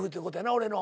俺の。